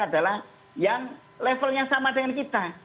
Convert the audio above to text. adalah yang levelnya sama dengan kita